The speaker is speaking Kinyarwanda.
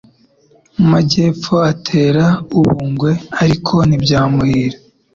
mu majyepfo atera u Bungwe ariko ntibyamuhira.